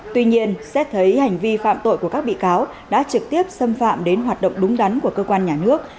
tuy nhiên xét thấy hành vi phạm tội của các bị cáo đã trực tiếp xâm phạm đến hoạt động đúng đắn của cơ quan nhà nước